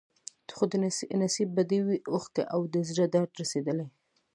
خو نصیب به دي وي اوښکي او د زړه درد رسېدلی